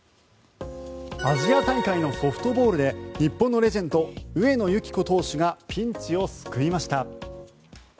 アジア大会のソフトボールで日本のレジェンド上野由岐子投手がピンチを救いました。